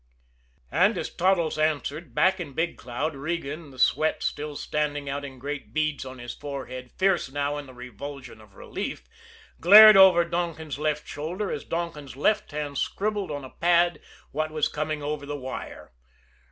And as Toddles answered, back in Big Cloud, Regan, the sweat still standing out in great beads on his forehead, fierce now in the revulsion of relief, glared over Donkin's left shoulder, as Donkin's left hand scribbled on a pad what was coming over the wire.